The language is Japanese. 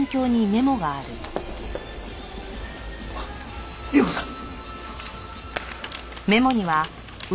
あっ有雨子さん！